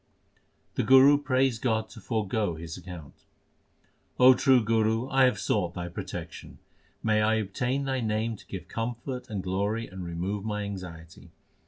The Guru prays God to forgo his account : True Guru, I have sought Thy protection. May I obtain Thy name to give comfort and glory and remove my anxiety.